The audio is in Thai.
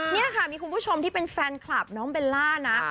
นี่ค่ะมีคุณผู้ชมที่เป็นแฟนคลับน้องเบลล่านะ